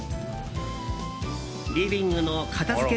リビングの片付け